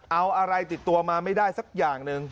เอาอะไรติดตัวมาไม่ได้สักอย่างหนึ่ง